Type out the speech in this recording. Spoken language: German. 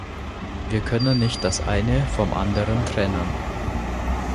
Wir können nicht das eine vom anderen trennen.